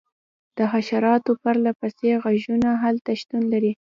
د حشراتو پرله پسې غږونه هلته شتون لري